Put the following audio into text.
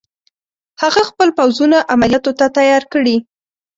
هغه خپل پوځونه عملیاتو ته تیار کړي.